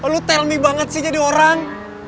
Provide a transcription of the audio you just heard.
lo tell me banget sih jadi orang